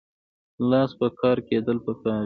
لاس په کار کیدل پکار دي